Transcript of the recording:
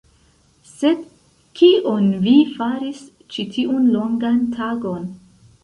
Sed, kion vi faris ĉi tiun longan tagon?